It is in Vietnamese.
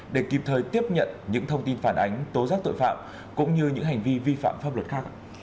để kịp thời tiếp nhận những thông tin phản ánh tố giác tội phạm cũng như những hành vi vi phạm pháp luật khác